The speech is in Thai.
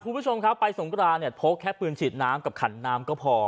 ปุรวกสงคราในสงคราเนี่ยพกแค่พื้นฉีดน้ำกับขันน้ำก็พอ